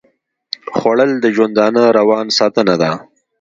خوړل د ژوندانه روان ساتنه ده